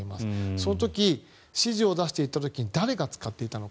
その時、指示を出していた時に誰が使っていたのか。